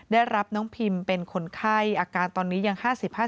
ได้รับน้องพิมเป็นคนไข้อาการตอนนี้ยัง๕๕